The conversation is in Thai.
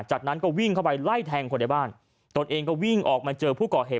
จากนั้นก็วิ่งเข้าไปไล่แทงคนในบ้านตนเองก็วิ่งออกมาเจอผู้ก่อเหตุ